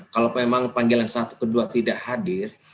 kalau memang panggilan satu dan dua tidak hadir